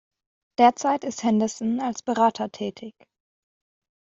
Derzeit ist Henderson als Berater tätig.